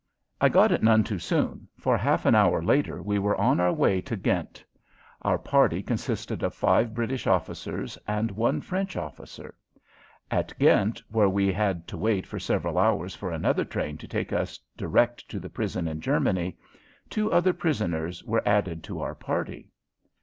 I got it none too soon, for half an hour later we were on our way to Ghent. Our party consisted of five British officers and one French officer. At Ghent, where we had to wait for several hours for another train to take us direct to the prison in Germany, two other prisoners were added to our party.